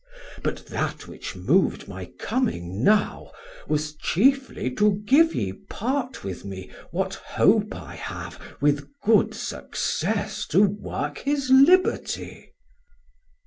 But that which moved my coming now, was chiefly To give ye part with me what hope I have With good success to work his liberty.